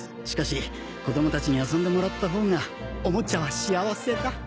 しかし子どもたちに遊んでもらったほうがおもちゃは幸せだ。